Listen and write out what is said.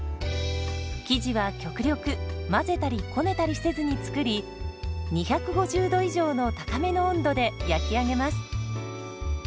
生地は極力混ぜたりこねたりせずに作り２５０度以上の高めの温度で焼き上げます。